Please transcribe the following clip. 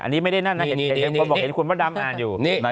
เห็นนะเห็นคนบอกเห็นคุณว่าดำอ่านอยู่